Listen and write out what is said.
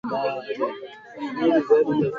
Abbas anaogelea mtoni.